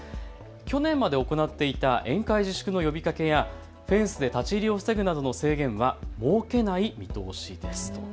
去年まで行っていた宴会自粛の呼びかけやフェンスで立ち入りを防ぐなどの制限は設けない見通しです。